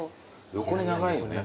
横に長いよね。